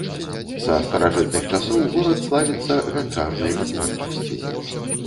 Са старажытных часоў горад славіцца ганчарнай вытворчасцю.